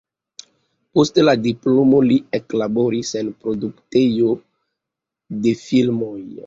Post la diplomo li eklaboris en produktejo de filmoj.